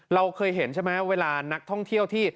เราเคยเห็นใช่ไหมเวลานักท่องเที่ยวที่